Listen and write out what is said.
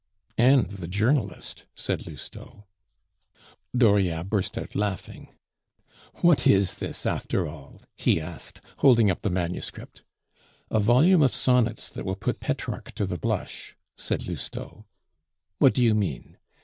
"And the journalist," said Lousteau. Dauriat burst out laughing. "What is this after all?" he asked, holding up the manuscript. "A volume of sonnets that will put Petrarch to the blush," said Lousteau. "What do you mean?"